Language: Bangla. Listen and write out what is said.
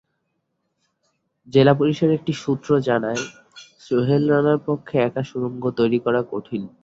জেলা পুলিশের একটি সূত্র জানায়, সোহেল রানার পক্ষে একা সুড়ঙ্গ তৈরি করা কঠিন।